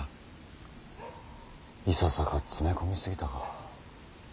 いささか詰め込み過ぎたか。